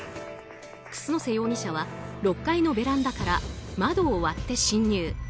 楠瀬容疑者は６階のベランダから窓を割って侵入。